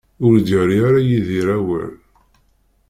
Ur d-yerri ara Yidir awal.